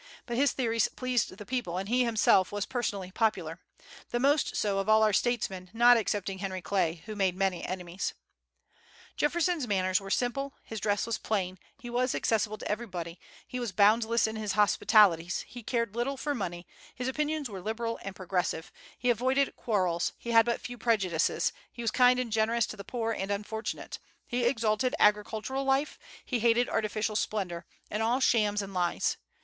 But his theories pleased the people, and he himself was personally popular, the most so of all our statesmen, not excepting Henry Clay, who made many enemies. Jefferson's manners were simple, his dress was plain, he was accessible to everybody, he was boundless in his hospitalities, he cared little for money, his opinions were liberal and progressive, he avoided quarrels, he had but few prejudices, he was kind and generous to the poor and unfortunate, he exalted agricultural life, he hated artificial splendor, and all shams and lies.